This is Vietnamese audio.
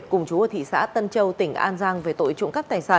cùng chú ở thị xã tân châu tỉnh an giang